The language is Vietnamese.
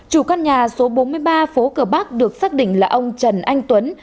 chủ căn nhà số bốn mươi ba phố cửa bắc được xác định là ông trần anh tuấn